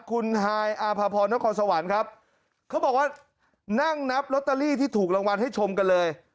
คุณฮายอาภาพรนครสวรรค์ครับเขาบอกว่านั่งนับลอตเตอรี่ที่ถูกรางวัลให้ชมกันเลย